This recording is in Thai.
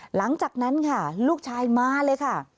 หลังจากนั้นค่ะลูกชายมาเลยค่ะ